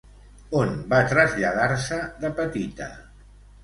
On va traslladar-se de petita?